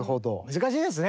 難しいですよね。